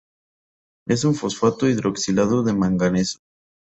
Es un fosfato hidroxilado de manganeso.